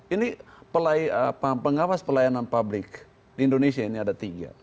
ini pengawas pelayanan publik di indonesia ini ada tiga